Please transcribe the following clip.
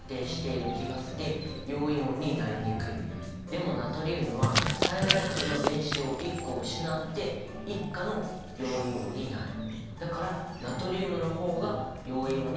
でもナトリウムは最外殻の電子を１個失って１価の陽イオンになる。